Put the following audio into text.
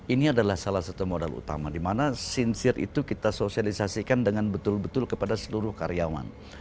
ini adalah salah satu modal utama di mana sincir itu kita sosialisasikan dengan betul betul kepada seluruh karyawan